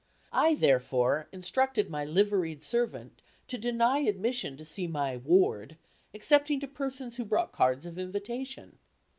I therefore instructed my liveried servant to deny admission to see my "ward," excepting to persons who brought cards of invitation.